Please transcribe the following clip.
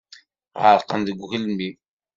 Ɣerqen deg ugelmim.